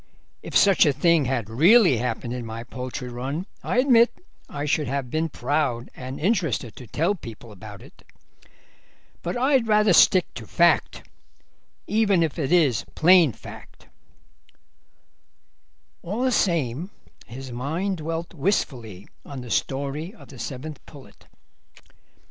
If such a thing had really happened in my poultry run I admit I should have been proud and interested to tell people about it. But I'd rather stick to fact, even if it is plain fact." All the same his mind dwelt wistfully on the story of the Seventh Pullet.